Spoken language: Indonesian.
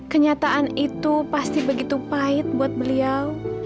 kenyataan itu pasti begitu pahit buat beliau